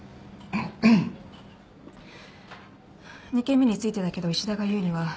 ２件目についてだけど石田が言うには。